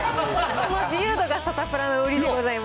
その自由度がサタプラの売りでございます。